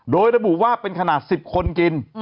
โดยระบุว่าเป็นขนาด๑๐คนกิน